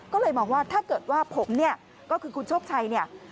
ก็เลยมองว่าถ้าเกิดว่าผมก็คือคุณชกชัย